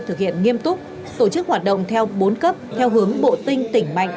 thực hiện nghiêm túc tổ chức hoạt động theo bốn cấp theo hướng bộ tinh tỉnh mạnh